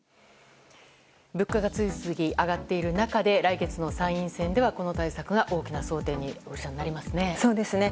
物価が次々上がっている中で来月の参院選では、この対策が大きな争点になりますね。